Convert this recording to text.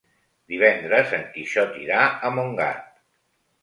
Divendres en Quixot irà a Montgat.